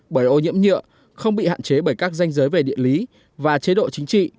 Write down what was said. bởi ô nhiễm nhựa không bị hạn chế bởi các danh giới về địa lý và chế độ chính trị